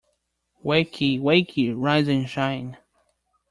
Wakey, wakey! Rise and shine!